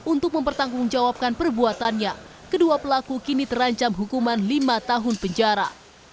untuk mempertanggungjawabkan perbuatannya kedua pelaku kini terancam hukuman lima tahun penjara